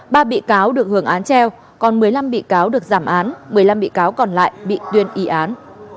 ba bị cáo được hưởng án treo còn một mươi năm bị cáo được giảm án một mươi năm bị cáo còn lại bị tuyên y án